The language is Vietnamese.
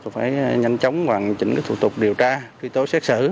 thì phải nhanh chóng hoàn chỉnh cái thủ tục điều tra truy tố xét xử